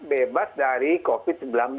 bebas dari covid sembilan belas